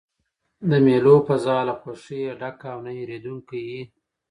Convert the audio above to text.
د مېلو فضا له خوښۍ ډکه او نه هېردونکې يي.